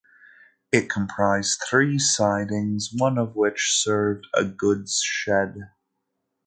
It comprised three sidings, one of which served a goods shed.